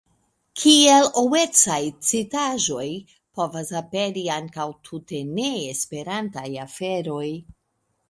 Kiel O-ecaj citaĵoj povas aperi ankaŭ tute ne-Esperantaj aferoj.